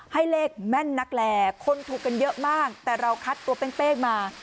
ให้เลขแม่นนักแลคนถูกกันเยอะมากแต่เราคัดตัวเป้งมา